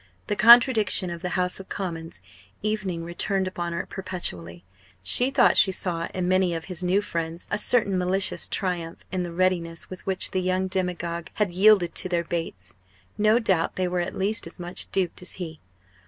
The contradiction of the House of Commons evening returned upon her perpetually. She thought she saw in many of his new friends a certain malicious triumph in the readiness with which the young demagogue had yielded to their baits. No doubt they were at least as much duped as he.